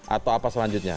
atau apa selanjutnya